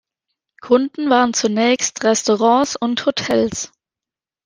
Kunden waren zunächst Restaurants und Hotels.